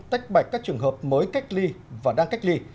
tách bạch các trường hợp mới cách ly và đang cách ly